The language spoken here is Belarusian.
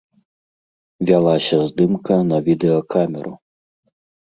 Вялася здымка на відэакамеру.